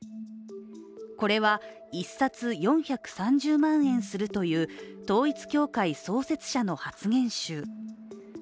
これは１冊４３０万円するという統一教会創設者の発言集。